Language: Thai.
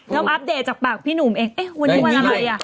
แล้วอัปเดตจากปากพี่หนุ่มเองวันนี้วันอะไรอ่ะ